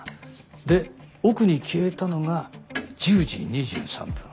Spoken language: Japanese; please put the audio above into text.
で奥に消えたのが１０時２３分。